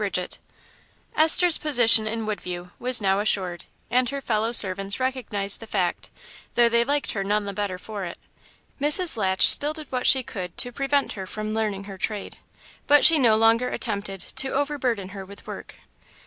IV Esther's position in Woodview was now assured, and her fellow servants recognised the fact, though they liked her none the better for it. Mrs. Latch still did what she could to prevent her from learning her trade, but she no longer attempted to overburden her with work.